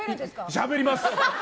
しゃべります。